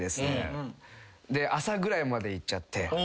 朝ぐらいまでいっちゃって。